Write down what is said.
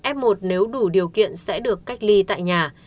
f một nếu đủ điều kiện sẽ được cách ly tại nhà